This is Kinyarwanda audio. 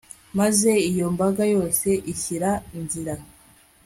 maze iyo mbaga yose ishyira nzira